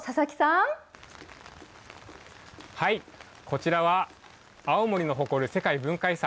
こちらは青森の誇る世界文化遺産